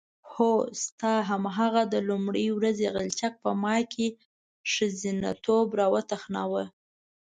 هو ستا هماغه د لومړۍ ورځې غلچک په ما کې ښځتوب راوتخناوه.